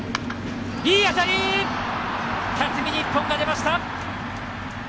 辰己に一本が出ました！